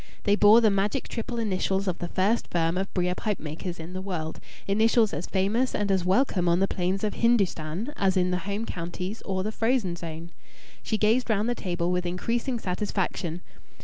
They bore the magic triple initials of the first firm of brier pipe makers in the world initials as famous and as welcome on the plains of Hindustan as in the Home Counties or the frozen zone. She gazed round the table with increasing satisfaction.